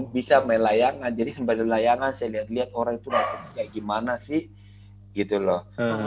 bisa main layangan jadi sembali layangan saya lihat lihat orang itu kayak gimana sih gitu loh